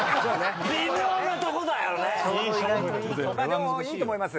でもいいと思います。